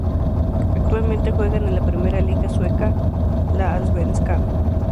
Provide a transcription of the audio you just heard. Actualmente juegan en la primera liga sueca, la Allsvenskan.